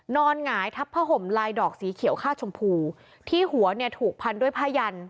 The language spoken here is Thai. หงายทับผ้าห่มลายดอกสีเขียวค่าชมพูที่หัวเนี่ยถูกพันด้วยผ้ายัน